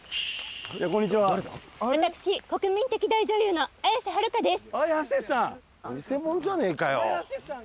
こんにちは私国民的大女優の綾瀬はるかです